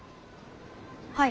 はい。